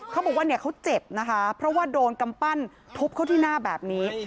เขาบอกว่าเนี่ยเขาเจ็บนะคะเพราะว่าโดนกำปั้นทุบเข้าที่หน้าแบบนี้